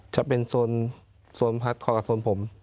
จะเป็นโซนพัดโซนผม